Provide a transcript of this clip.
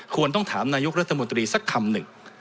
ควรต้องถามนายกรัฐมนตรีสักคำหนึ่ง